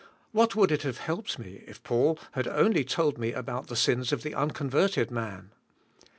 What would it have helped me if Paul had only told me about the sins of the uncon verted man?